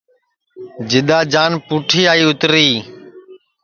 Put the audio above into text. جِدؔا جان پُٹھی آئی اِتری